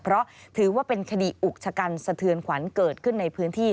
เพราะถือว่าเป็นคดีอุกชะกันสะเทือนขวัญเกิดขึ้นในพื้นที่